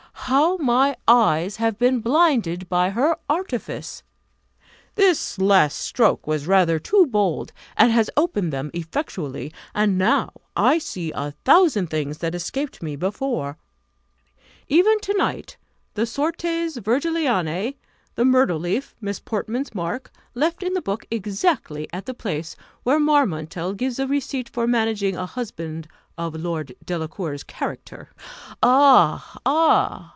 How my eyes have been blinded by her artifice! This last stroke was rather too bold, and has opened them effectually, and now I see a thousand things that escaped me before. Even to night, the Sortes Virgilianae, the myrtle leaf, Miss Portman's mark, left in the book exactly at the place where Marmontel gives a receipt for managing a husband of Lord Delacour's character. Ah, ah!